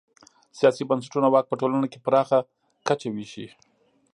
سیاسي بنسټونه واک په ټولنه کې پراخه کچه وېشي.